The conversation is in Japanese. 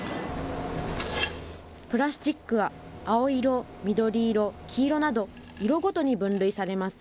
プラスチックは青色、緑色、黄色など、色ごとに分類されます。